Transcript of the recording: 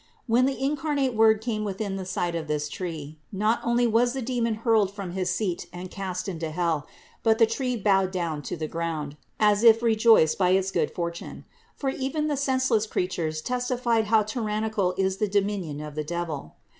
When the incarnate Word came within sight of this tree, not only was the demon hurled from his seat and cast into hell, but the tree bowed down to the ground, as if rejoiced by its good fortune ; for even the senseless creatures testified how tyrannical is the dominion of the devil.